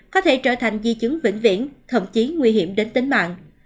có thể trở thành di chứng vĩnh viễn thậm chí nguy hiểm đến tính mạng